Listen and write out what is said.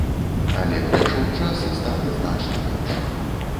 Але прайшоў час, і стала значна лепш.